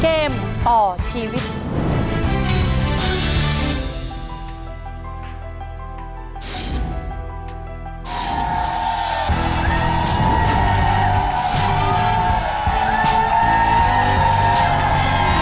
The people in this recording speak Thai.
เกมต่อชีวิตสูงสุด๑ล้านบาท